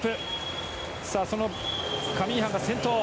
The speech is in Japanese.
そのカミンハが先頭。